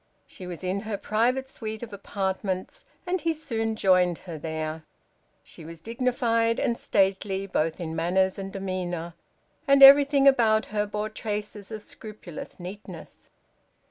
She was in her private suite of apartments, and he soon joined her there. She was dignified and stately, both in manners and demeanor, and everything about her bore traces of scrupulous neatness.